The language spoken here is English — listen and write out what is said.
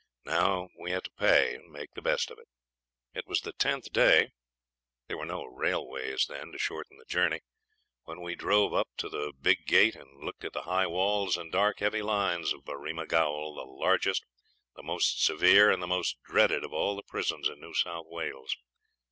Now we had to pay and make the best of it. It was the tenth day (there were no railways then to shorten the journey) when we drove up to the big gate and looked at the high walls and dark, heavy lines of Berrima Gaol, the largest, the most severe, the most dreaded of all the prisons in New South Wales.